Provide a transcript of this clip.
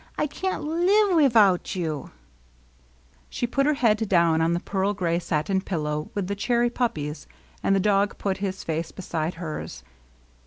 I can't live wivout you I " She put her head down on the pearl gray satin pillow with the cherry puppies^ and the dog put his face beside hers.